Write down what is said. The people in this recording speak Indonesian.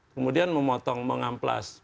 kemudian memotong mengamplas